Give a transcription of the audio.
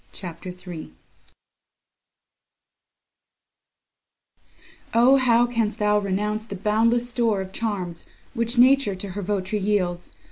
CHAPTER III O how canst thou renounce the boundless store Of charms which nature to her vot'ry yields!